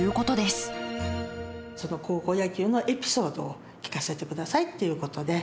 ちょっと高校野球のエピソードを聞かせてくださいっていうことで。